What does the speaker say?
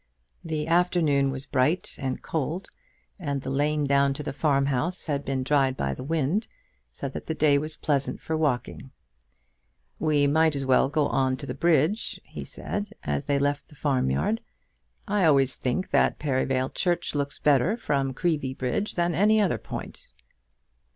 The afternoon was bright and cold, and the lane down to the farmhouse had been dried by the wind, so that the day was pleasant for walking. "We might as well go on to the bridge," he said, as they left the farm yard. "I always think that Perivale church looks better from Creevy bridge than any other point."